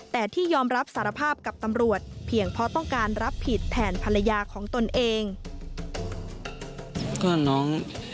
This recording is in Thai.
แต่ที่ยอมรับสารภาพกับตำรวจเพียงเพราะต้องการรับผิดแทนภรรยาของตนเอง